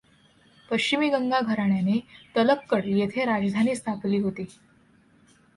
पश्चिमी गंगा घराण्याने तलक्कड येथे राजधानी स्थापली होती.